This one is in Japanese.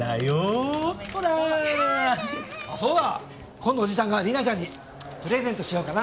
今度おじちゃんが里奈ちゃんにプレゼントしようかな。